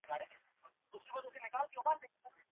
احتکار د ټولنې لپاره ستر ناورین دی.